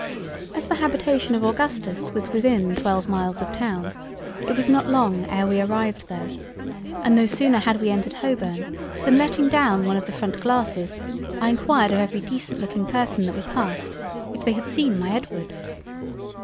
As the Habitation of Augustus was within twelve miles of Town, it was not long e'er we arrived there, and no sooner had we entered Holboun than letting down one of the Front Glasses I enquired of every decent looking Person that we passed "If they had seen my Edward?"